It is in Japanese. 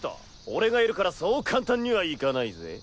俺がいるからそう簡単にはいかないぜ。